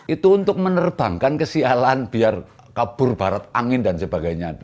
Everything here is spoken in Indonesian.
itu untuk menerbangkan kesialan biar kabur barat angin dan sebagainya